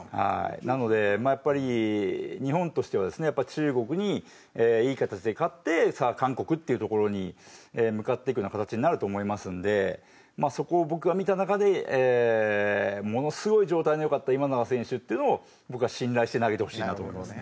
なのでまあやっぱり日本としてはですねやっぱ中国にいい形で勝ってさあ韓国っていうところに向かっていくような形になると思いますのでまあそこを僕が見た中でものすごい状態の良かった今永選手っていうのを僕は信頼して投げてほしいなと思いますね。